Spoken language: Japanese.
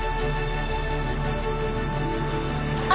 あ！